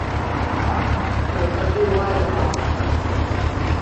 Уахагьы уа иабап!